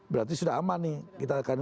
berarti sudah aman nih kita akan